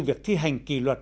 việc thi hành kỳ luật